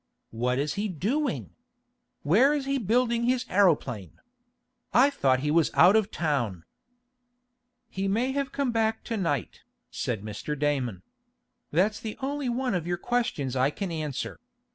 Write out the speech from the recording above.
What is he doing? Where is he building his aeroplane? I thought he was out of town." "He may have come back to night," said Mr. Damon. "That's the only one of your questions I can answer.